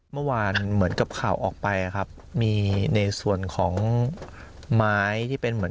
เมื่อวานเหมือนกับข่าวออกไปครับมีในส่วนของไม้ที่เป็นเหมือน